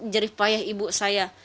jerih payah ibu saya